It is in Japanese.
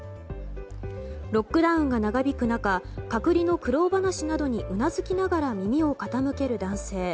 ロックダウンが長引く中隔離の苦労話などにうなずきながら耳を傾ける男性。